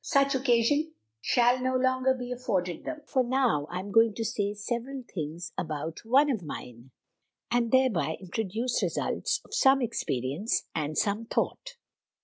Such occasion shall no longer be afforded them; for now I am going to say several things about one of mine, and thereby introduce a few results of much experience and some thought.